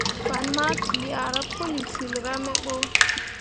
Fan maki ah ra pəli filra me ɓo.